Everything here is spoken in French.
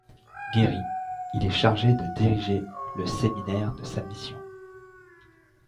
Guéri, il est chargé de diriger le séminaire de sa mission.